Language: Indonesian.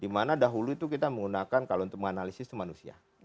di mana dahulu itu kita menggunakan kalau untuk menganalisis manusia